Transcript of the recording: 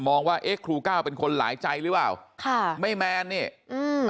ว่าเอ๊ะครูก้าวเป็นคนหลายใจหรือเปล่าค่ะไม่แมนนี่อืม